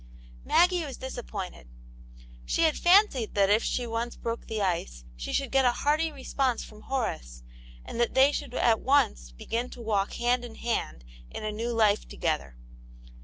Maggie was disappointed. She had fancied that if she once broke the ice, she should get a hearty response from Horace, and that they should at once begin to walk, hand in hand, in a new life together.